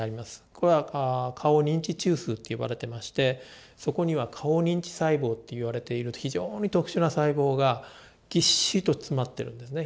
これは顔認知中枢って呼ばれてましてそこには顔認知細胞っていわれている非常に特殊な細胞がぎっしりと詰まってるんですね。